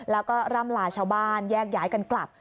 แล้วก็ร่ำลาชาวบ้านแยกย้ายกันกลับ